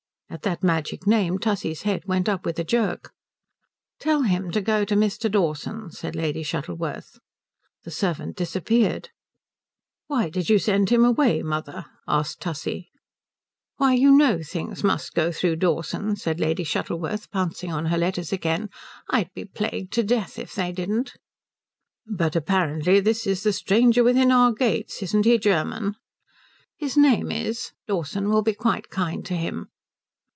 At that magic name Tussie's head went up with a jerk. "Tell him to go to Mr. Dawson," said Lady Shuttleworth. The servant disappeared. "Why do you send him away, mother?" asked Tussie. "Why, you know things must go through Dawson," said Lady Shuttleworth pouncing on her letters again. "I'd be plagued to death if they didn't." "But apparently this is the stranger within our gates. Isn't he German?" "His name is. Dawson will be quite kind to him."